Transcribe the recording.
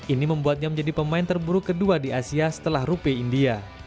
ini membuatnya menjadi pemain terburuk kedua di asia setelah rupiah india